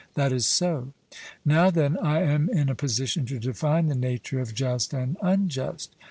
'That is so.' Now, then, I am in a position to define the nature of just and unjust.